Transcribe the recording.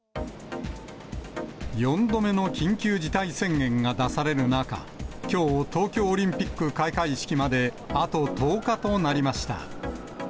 ４度目の緊急事態宣言が出される中、きょう、東京オリンピック開会式まであと１０日となりました。